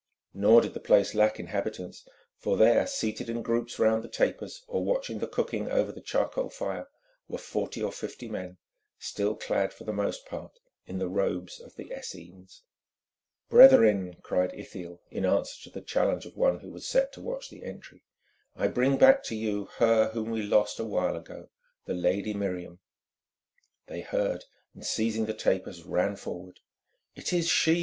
Nor did the place lack inhabitants, for there, seated in groups round the tapers, or watching the cooking over the charcoal fire, were forty or fifty men, still clad, for the most part, in the robes of the Essenes. "Brethren," cried Ithiel, in answer to the challenge of one who was set to watch the entry, "I bring back to you her whom we lost a while ago, the lady Miriam." They heard, and seizing the tapers, ran forward. "It is she!"